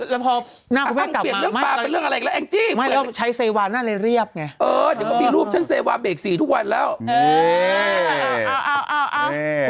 แล้วพอหน้าคุณแม่กลับมา